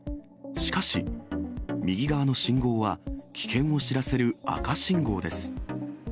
しかし、右側の信号は危険を知らせる赤信号です。